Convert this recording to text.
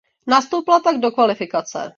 Nastoupila tak do kvalifikace.